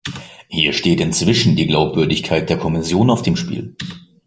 Hier steht inzwischen die Glaubwürdigkeit der Kommission auf dem Spiel.